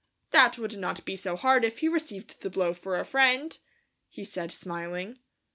"That would not be so hard if he received the blow for a friend," he said, smiling.